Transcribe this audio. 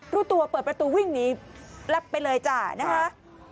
รู้ตัวเปิดประตูวิ่งหนีรับไปเลยจ้านะคะ